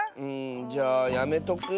じゃあやめとく？